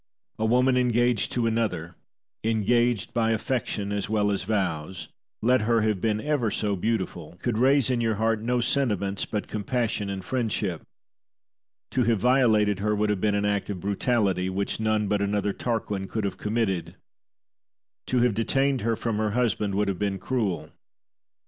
A woman engaged to another engaged by affection as well as vows, let her have been ever so beautiful could raise in your heart no sentiments but compassion and friendship. To have violated her would have been an act of brutality, which none but another Tarquin could have committed. To have detained her from her husband would have been cruel.